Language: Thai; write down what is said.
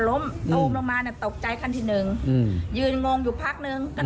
ล้มอุ้มลงมาเนี้ยตกใจขั้นทีหนึ่งอืมยืนงงอยู่พักนึงก็